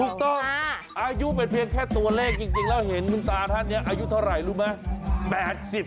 ถูกต้องอายุเป็นเพียงแค่ตัวเลขจริงแล้วเห็นคุณตาท่านนี้อายุเท่าไหร่รู้ไหม